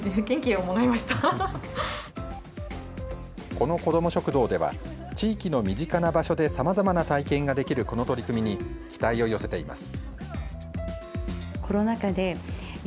この子ども食堂では地域の身近な場所でさまざまな体験ができるこの取り組みに期待を寄せています。